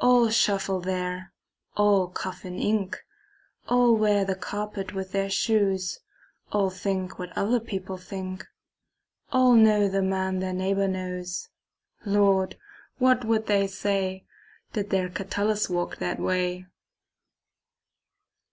All shuffle there, all cough in ink; All wear the carpet with their shoes; All think what other people think; All know the man their neighbor knows. Lord, what would they say Did their Catullus walk that way?